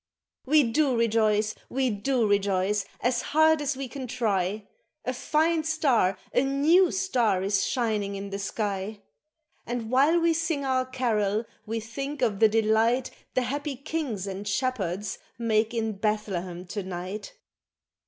We do rejoice, we do rejoice, as hard as we can try, A fine star, a new star is shining in the sky ! And while we sing our carol, we think of the delight The happy kings and shepherds make in Bethlehem to night.